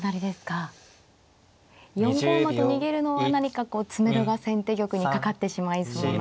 ４五馬と逃げるのは何かこう詰めろが先手玉にかかってしまいそうな。